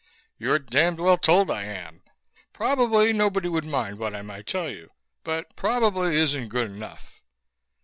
"You're damned well told I am. Probably nobody would mind what I might tell you ... but 'probably' isn't good enough."